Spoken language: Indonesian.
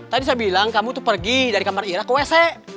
tadi saya bilang kamu itu pergi dari kamar ira ke wc